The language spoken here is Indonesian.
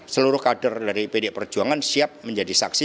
seluruh kader dari pd perjuangan siap menjadi saksi